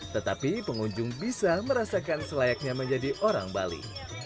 tetapi pengunjung bisa merasakan selayaknya menjadi orang bali